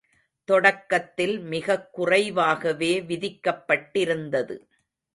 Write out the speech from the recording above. தொடக்கத்தில் மிகக் குறைவாகவே விதிக்கப்பட்டிருந்தது.